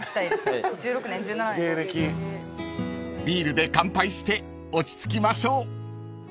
［ビールで乾杯して落ち着きましょう］